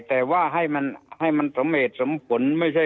แต่ว่าให้มันสมเหตุสมผล